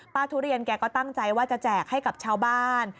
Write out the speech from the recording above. ทุเรียนแกก็ตั้งใจว่าจะแจกให้กับชาวบ้าน